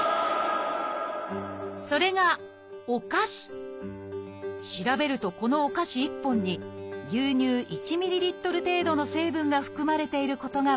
それが調べるとこのお菓子１本に牛乳１ｍＬ程度の成分が含まれていることが分かったのです。